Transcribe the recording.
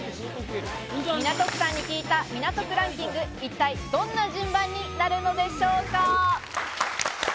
港区さんに聞いた港区ランキング、一体どんな順番になるのでしょうか？